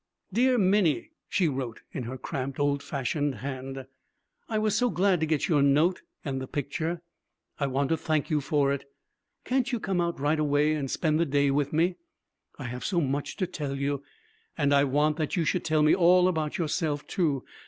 'Dear Minnie,' she wrote in her cramped, old fashioned hand, 'I was so glad to get your note and the picture. I want to thank you for it. Can't you come out right away and spend the day with me? I have so much to tell you, and I want that you should tell me all about yourself, too.